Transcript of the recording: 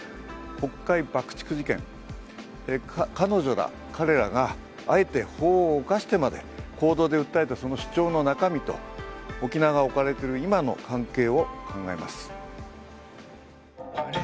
国会爆竹事件、彼女ら彼らがあえて法を犯してまで行動で訴えたその主張の中身と、沖縄が置かれている今の関係を考えます。